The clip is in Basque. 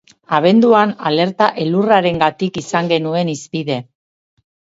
Abenduan alerta elurrarengatik izan genuen hizpide.